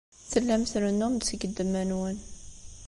Tellam trennum-d seg ddemma-nwen.